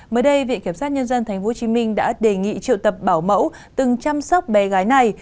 mới đây viện kiểm sát nhân dân tp hcm đã đề nghị triệu tập bảo mẫu từng chăm sóc bé gái này